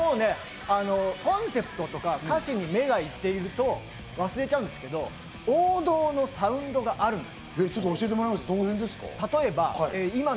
コンセプトとか歌詞に目がいってると忘れちゃうんですけど、王道のサウンドがあるんです。